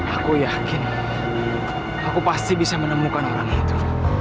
aku yakin aku pasti bisa menemukan orang itu